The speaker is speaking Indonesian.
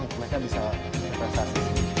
yang mereka bisa berprestasi